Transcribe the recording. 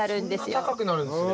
そんな高くなるんですね。